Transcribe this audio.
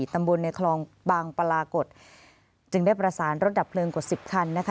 ตำบลในคลองบางปรากฏจึงได้ประสานรถดับเพลิงกว่าสิบคันนะคะ